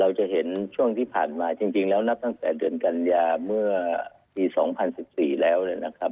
เราจะเห็นช่วงที่ผ่านมาจริงแล้วนับตั้งแต่เดือนกันยาเมื่อปี๒๐๑๔แล้วเนี่ยนะครับ